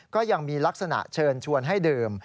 ก็ยังมีลักษณะเชิญชวนให้ดื่ม